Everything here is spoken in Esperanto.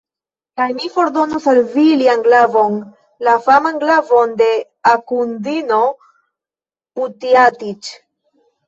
Kaj mi fordonos al vi lian glavon, la faman glavon de Akundino Putjatiĉ!